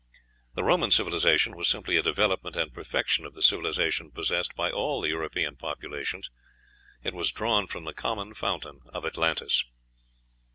The Roman civilization was simply a development and perfection of the civilization possessed by all the European populations; it was drawn from the common fountain of Atlantis.